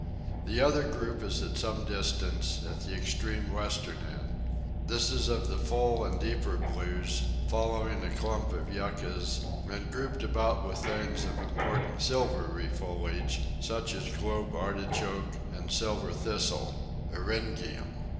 The other group is at some distance, at the extreme western end. This is of the full and deeper blues, following a clump of Yuccas, and grouped about with things of important silvery foliage, such as Globe Artichoke and Silver Thistle (Eryngium).